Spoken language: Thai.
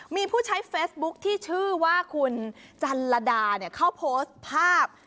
มีผู้ใช้เฟซบุ๊คที่ชื่อว่าคุณจันลดาเขาโพสต์ภาพ